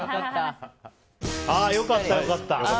良かった、良かった。